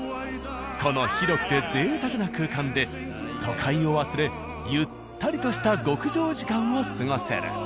この広くて贅沢な空間で都会を忘れゆったりとした極上時間を過ごせる。